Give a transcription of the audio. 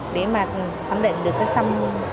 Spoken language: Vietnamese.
để mà thẩm định được xâm